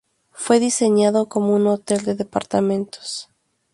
Fue diseñado como un hotel de departamentos.